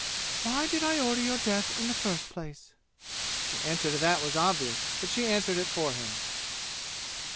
"Why did I order your death in the first place?" The answer to that was obvious, but she answered it for him.